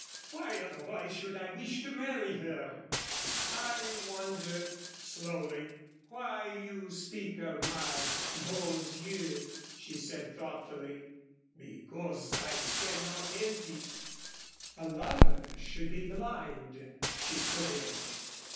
Why, otherwise, should I wish to marry her?" "I wonder," slowly, "why you speak of my beaux yeux?" she said thoughtfully. "Because I cannot help it " "A lover should be blind," she put in.